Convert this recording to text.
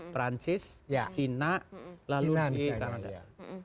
perancis china lalu di skala